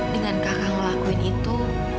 dengan kakak ngelakuin itu